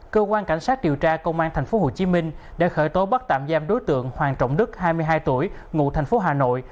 cơ quan cảnh sát điều tra công an tp hcm đã khởi tố bắt tạm giam đối tượng hoàng trọng đức hai mươi hai tuổi ngụ thành phố hà nội